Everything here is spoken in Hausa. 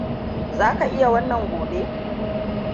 Za ka iya wannan gobe?